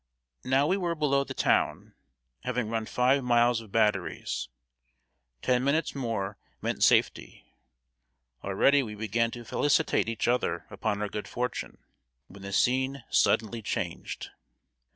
Now we were below the town, having run five miles of batteries. Ten minutes more meant safety. Already we began to felicitate each other upon our good fortune, when the scene suddenly changed.